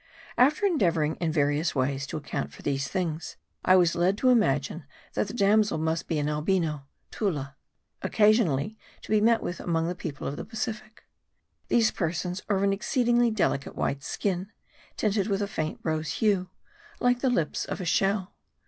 After endeavoring in various ways to account for these things, I was led to imagine, that the damsel must be an 182 M A R D I. Albino (Tulla) occasionally to be met with among the people of the Pacific. These persons are of an exceedingly delicate white skin, tinted with a faint rose hue, like the lips of a shell.